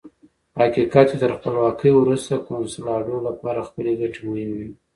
په حقیقت کې تر خپلواکۍ وروسته کنسولاډو لپاره خپلې ګټې مهمې وې.